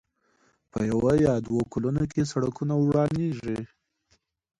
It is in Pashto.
په يو يا دوو کلونو کې سړکونه ورانېږي.